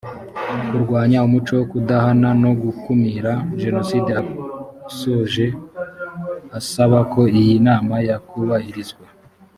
kurwanya umuco wo kudahana no gukumira jenoside yasoje asaba ko iyi nama yakubahirizwa